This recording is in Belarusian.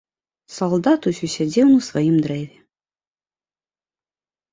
Салдат усё сядзеў на сваім дрэве.